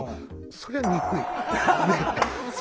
そりゃ憎い。